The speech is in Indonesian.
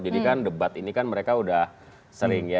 jadi kan debat ini kan mereka udah sering ya